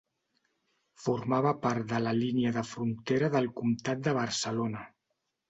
Formava part de la línia de frontera del Comtat de Barcelona.